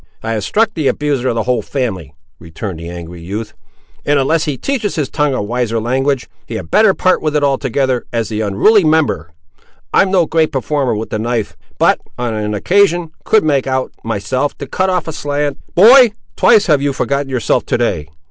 "I have struck the abuser of the whole family," returned the angry youth; "and, unless he teaches his tongue a wiser language, he had better part with it altogether, as the unruly member. I'm no great performer with the knife, but, on an occasion, could make out, myself, to cut off a slande—" "Boy, twice have you forgotten yourself to day.